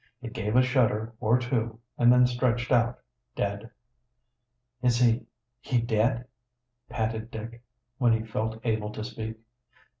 It gave a shudder or two, and then stretched out, dead. "Is he he dead?" panted Dick, when he felt able to speak.